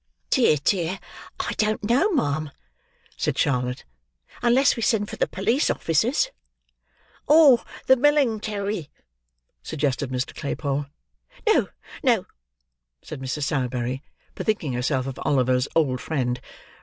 "Dear, dear! I don't know, ma'am," said Charlotte, "unless we send for the police officers." "Or the millingtary," suggested Mr. Claypole. "No, no," said Mrs. Sowerberry: bethinking herself of Oliver's old friend.